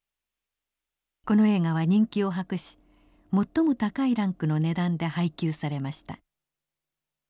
この映画は人気を博し最も高いランクの値段で配給されました。